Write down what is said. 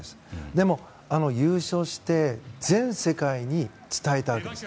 でも、優勝して全世界に伝えたわけです。